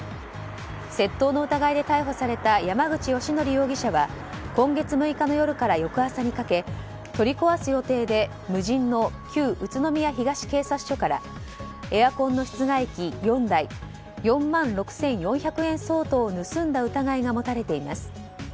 窃盗の疑いで逮捕された山口芳紀容疑者は今月６日の夜から翌朝にかけて取り壊す予定で無人の旧宇都宮東警察署からエアコンの室外機４台４万６４００円相当を盗んだ疑いが持たれています。